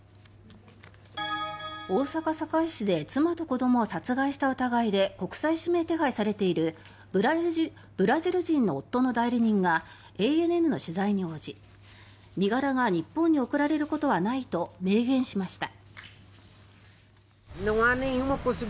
大阪・堺市で妻と子どもを殺害した疑いで国際指名手配されているブラジル人の夫の代理人がＡＮＮの取材に応じ身柄が日本に送られることはないと明言しました。